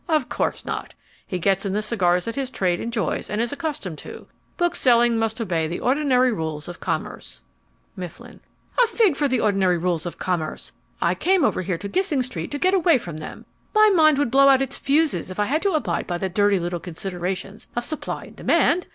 Of course not. He gets in the cigars that his trade enjoys and is accustomed to. Bookselling must obey the ordinary rules of commerce. MIFFLIN A fig for the ordinary rules of commerce! I came over here to Gissing Street to get away from them. My mind would blow out its fuses if I had to abide by the dirty little considerations of supply and demand.